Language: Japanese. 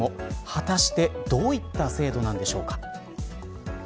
果たしてどういった制度なんでしょうか。